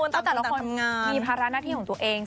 แล้วแต่ละคนมีภาระหน้าที่ของตัวเอง